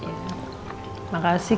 terima kasih pak